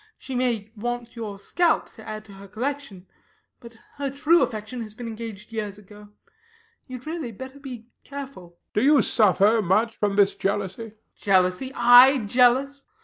She may want your scalp to add to her collection; but her true affection has been engaged years ago. You had really better be careful. HECTOR. Do you suffer much from this jealousy? RANDALL. Jealousy! I jealous!